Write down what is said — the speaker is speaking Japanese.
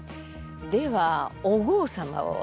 ではお江様を。